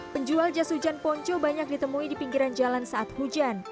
penjual jas hujan ponco banyak ditemui di pinggiran jalan saat hujan